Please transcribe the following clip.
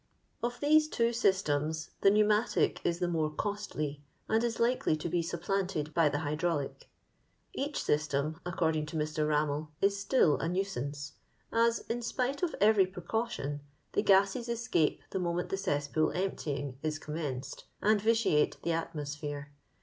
Of these two systems the pneumatic is the more costly, and is likely to be supplanted by the hydraulic. Each system, according to Mr. Bammell, is still a nuisance, as, in spite of eveiy precaution, the gases escape the moment the cesspool emptying is commenced, and vitiate the atmosphere.